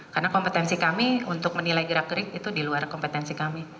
karena kompetensi kami untuk menilai gerak gerik itu di luar kompetensi kami